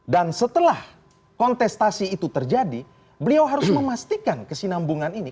dan setelah kontestasi itu terjadi beliau harus memastikan kesinambungan ini